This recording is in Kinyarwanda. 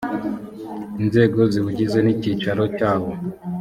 inzego ziwugize n’icyicaro cyawo